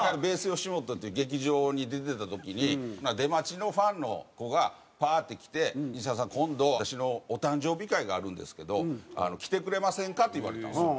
ｂａｓｅよしもとっていう劇場に出てた時に出待ちのファンの子がパーッて来て「西澤さん今度私のお誕生日会があるんですけど来てくれませんか？」って言われたんですよ。